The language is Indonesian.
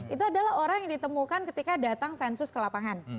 itu adalah orang yang ditemukan ketika datang sensus ke lapangan